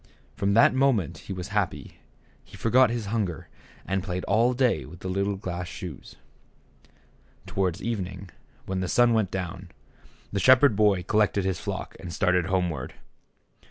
From that moment he was happy ; he forgot his hunger, and played all day with the little glass shoes. Towards evening, when the sun went down, the shepherd boy col lected his flock and started homeward.